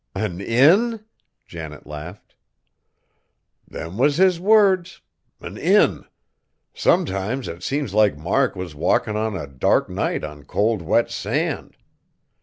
"An inn?" Janet laughed. "Them was his words. A inn! Sometimes it seems like Mark was walkin' o' a dark night on cold, wet sand.